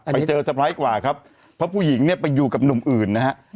เพราะผู้หญิงไปอยู่กับหนุ่มอื่นนะครับ